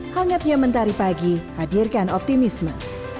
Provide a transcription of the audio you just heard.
hangatnya mentari pagi hadirkan optimisme